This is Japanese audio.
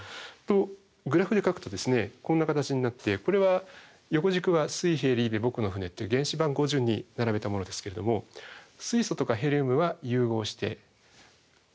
グラフで書くとこんな形になってこれは横軸は「水兵リーベ僕の船」っていう原子番号順に並べたものですけれども水素とかヘリウムは融合してウランのほうは分裂して。